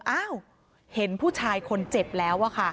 อ้าวเห็นผู้ชายคนเจ็บแล้วอะค่ะ